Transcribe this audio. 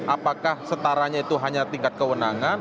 apakah setaranya itu hanya tingkat kewenangan